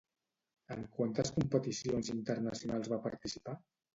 En quantes competicions internacionals va participar?